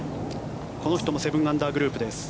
この人も７アンダーグループです。